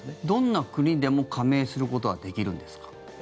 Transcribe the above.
どんな国でも加盟することはできるんですか？